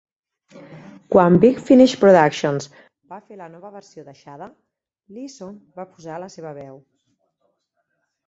Quan Big Finish Productions va fer la nova versió de "Shada", Leeson va posar la seva veu.